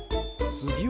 つぎは？